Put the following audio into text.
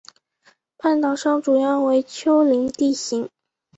半岛上主要为丘陵地形。